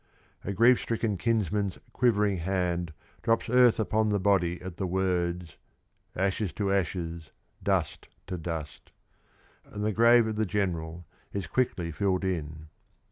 A grief stricken kinsman's quivering hand drops earth upon the body at the words, "Ashes to ashes, dust to dust," and the grave of the General is quickly filled in.